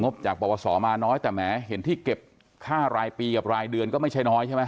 บจากปวสอมาน้อยแต่แหมเห็นที่เก็บค่ารายปีกับรายเดือนก็ไม่ใช่น้อยใช่ไหม